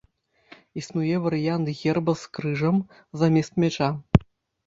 Існуе варыянт герба з крыжам замест мяча.